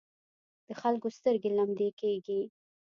د خلکو سترګې لمدې کېږي.